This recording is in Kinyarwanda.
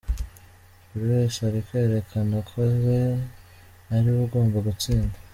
Buri wese ari kwerekana ko uwe ari we ugomba gutsinda.